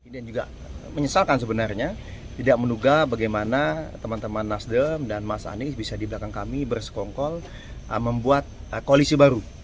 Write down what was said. dan juga menyesalkan sebenarnya tidak menugah bagaimana teman teman nasdem dan mas anies bisa di belakang kami bersekongkol membuat koalisi baru